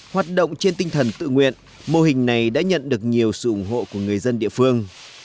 hoạt động trên tinh thần tự nguyện mô hình này đã nhận được nhiều sự ủng hộ của người dân địa phương